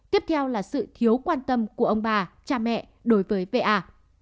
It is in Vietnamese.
tiếp theo là sự thiếu quan tâm của ông bà cha mẹ đối với v a